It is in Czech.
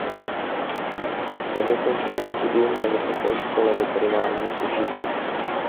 Nedokončil studium na Vysoké škole veterinární v Košicích.